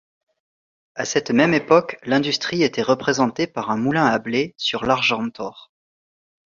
À cette même époque, l'industrie était représentée par un moulin à blé sur l'Argentor.